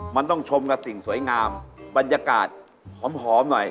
มันต้องชมกับสิ่งสวยงามบรรยากาศหอมหน่อย